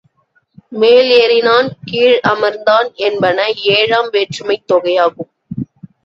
மேல் ஏறினான், கீழ் அமர்ந்தான் என்பன ஏழாம் வேற்றுமைத் தொகையாகும்.